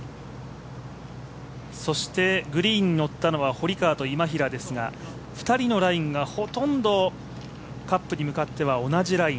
グリーンに乗ったのは堀川と今平ですが、２人のラインがほとんどカップに向かっては同じライン。